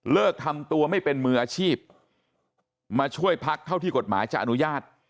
ทำตัวไม่เป็นมืออาชีพมาช่วยพักเท่าที่กฎหมายจะอนุญาต